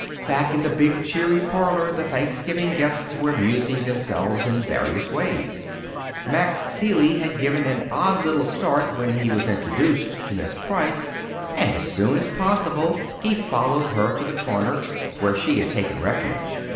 Back in the big, cheery parlour the Thanksgiving guests were amusing themselves in various ways. Max Seeley had given an odd little start when he was introduced to Miss Price, and as soon as possible he followed her to the corner where she had taken refuge.